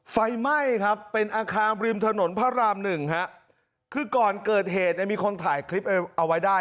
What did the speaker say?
ไฟไหม้ครับเป็นอาคารริมถนนพระรามหนึ่งฮะคือก่อนเกิดเหตุเนี่ยมีคนถ่ายคลิปเอาไว้ได้